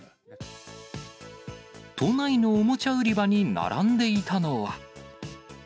都内のおもちゃ売り場に並んでいたのは。